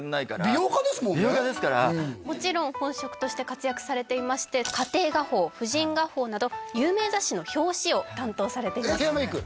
美容家ですからもちろん本職として活躍されていまして「家庭画報」「婦人画報」など有名雑誌の表紙を担当されていますヘアメイク？